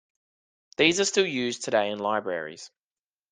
These are still used today in libraries.